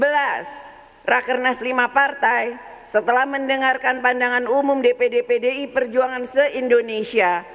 tujuh belas rakyat kernas lima partai setelah mendengarkan pandangan umum dpd pdi perjuangan se indonesia